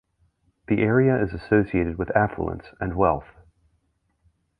The area is associated with affluence and wealth.